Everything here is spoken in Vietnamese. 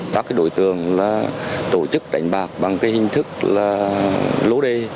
các đối tượng là tổ chức đánh bạc bằng cái hình thức là lô đề